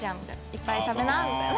いっぱい食べなみたいな。